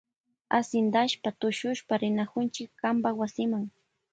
Ashintashpa tushushpa rinakushun kanpa wasima.